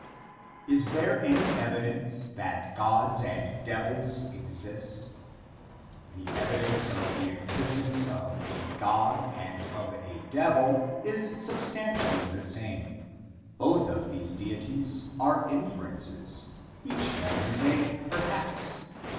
Is there any evidence that gods and devils exist? The evidence of the existence of a god and of a devil is substantially the same. Both of these deities are inferences; each one is a perhaps.